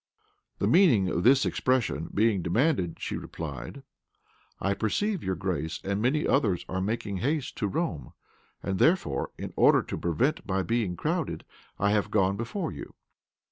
The meaning of this expression being demanded, she replied, "I perceive your grace and many others are making haste to Rome; and therefore, in order to prevent my being crowded, I have gone before you."